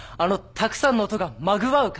たくさんの音がまぐわう感じ。